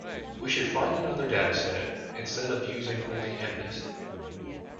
We should find another dataset instead of only using mnist.